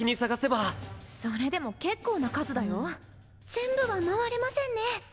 全部は回れませんね。